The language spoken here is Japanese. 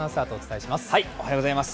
おはようございます。